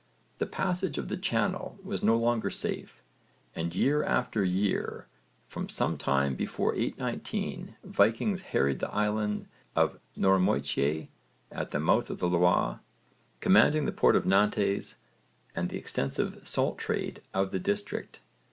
The passage of the Channel was no longer safe, and year after year, from some time before 819, Vikings harried the island of Noirmoutier at the mouth of the Loire, commanding the port of Nantes and the extensive salt trade of the district.